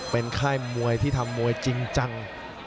เป็นค่ายมวยที่ทำมวยจริงจัง